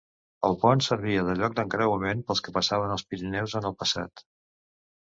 El pont servia de lloc d'encreuament pels que passaven els Pirineus en el passat.